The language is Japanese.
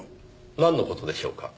なんの事でしょうか？